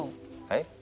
はい？